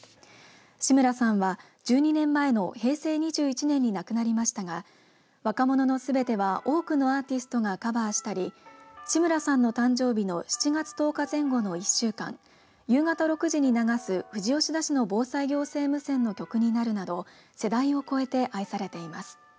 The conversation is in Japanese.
志村さんは１２年前の平成２１年に亡くなりましたが若者のすべては多くのアーティストがカバーしたり志村さんの誕生日の７月１０日前後の１週間夕方６時に流す富士吉田市の防災行政無線の曲になるなど、世代を超えて愛されています。